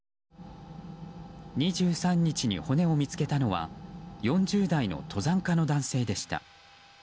２３日に骨を見つけたのは４０台の登山家の男性でした。